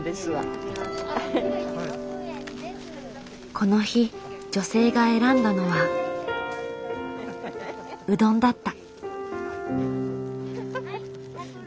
この日女性が選んだのはうどんだった。